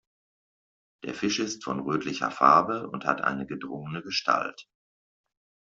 Der Fisch ist von rötlicher Farbe und hat eine gedrungene Gestalt.